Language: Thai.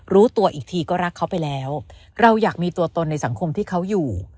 รู้ตัวอีกทีก็รักเขาไปแล้วเราอยากมีตัวตนในสังคมที่เขาอยู่